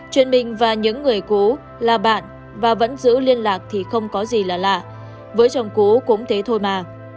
chuyện mình và những người cố là bạn và vẫn giữ liên lạc thì không có gì là lạ với chồng cũ cũng thế thôi mà